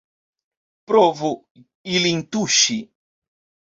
Provu ilin tuŝi!